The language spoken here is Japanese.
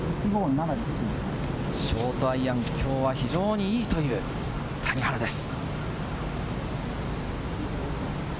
ショートアイアン、きょうは非常にいいという谷原です。